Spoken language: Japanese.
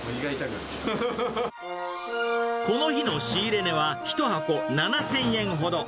この日の仕入れ値は１箱７０００円ほど。